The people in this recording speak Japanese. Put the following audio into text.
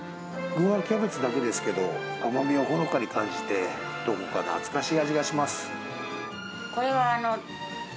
具はキャベツだけですけど、甘みをほのかに感じて、どこか懐かしい味がします。